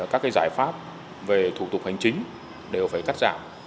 các giải pháp về thủ tục hành chính đều phải cắt giảm